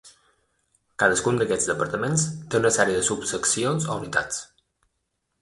Cadascun d'aquests departaments té una sèrie de subseccions o unitats.